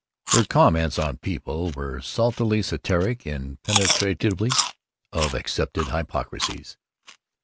Her comments on people were saltily satiric and penetrative of accepted hypocrisies.